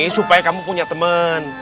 supaya kamu punya temen